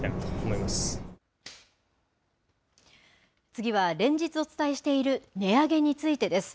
次は、連日お伝えしている値上げについてです。